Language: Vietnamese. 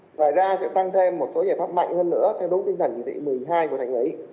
ngoài ra sẽ tăng thêm một số giải pháp mạnh hơn nữa theo đúng tinh thần chỉ thị một mươi hai của thành ủy